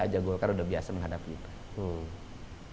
aja golkar udah biasa menghadapi itu